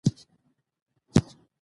اداري اصول د مساوات اصل پیاوړی کوي.